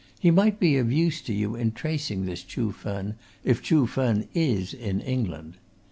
He might be of use to you in tracing this Chuh Fen, if Chuh Fen is in England.